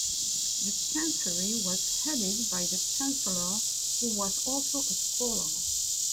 The chancery was headed by the chancellor who was also a scholar.